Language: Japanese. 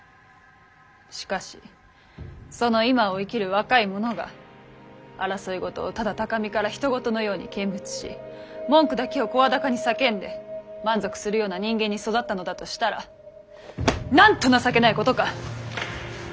しかしその今を生きる若い者が争い事をただ高みからひと事のように見物し文句だけを声高に叫んで満足するような人間に育ったのだとしたらなんと情けないことか。